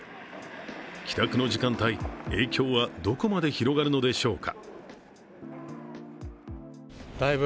帰宅の時間帯、影響はどこまで広がるのでしょうか。